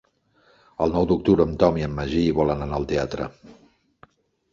El nou d'octubre en Tom i en Magí volen anar al teatre.